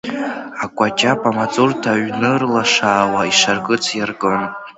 Акәаҷаб амаҵурҭа ҩнырлашаауа ишаркыц иаркын.